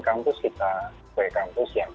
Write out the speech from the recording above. kampus kita sebagai kampus yang